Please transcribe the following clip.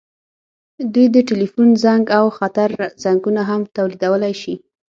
دوی د ټیلیفون زنګ او خطر زنګونه هم تولیدولی شي.